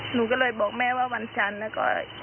หนูก็เลยบอกแม่ว่าวันจันทร์แล้วก็